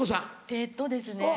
えっとですね